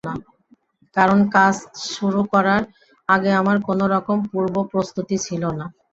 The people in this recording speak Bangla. কারণ কাজ শুরু করার আগে আমার কোনো রকম পূর্ব প্রস্তুতি ছিল না।